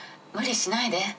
無理しないで。